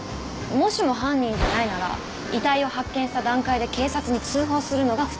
もしも犯人じゃないなら遺体を発見した段階で警察に通報するのが普通です。